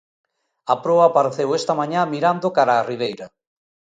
A proa apareceu esta mañá mirando cara a Ribeira.